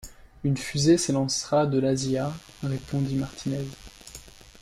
Une fusée s’élancera de l’Asia, répondit Martinez.